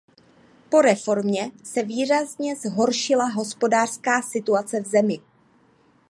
Po reformě se výrazně zhoršila hospodářská situace v zemi.